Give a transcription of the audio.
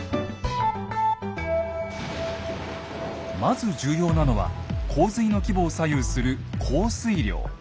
まず重要なのは洪水の規模を左右する降水量。